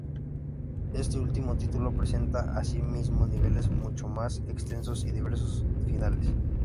Este último título presenta así mismo niveles mucho más extensos y diversos finales.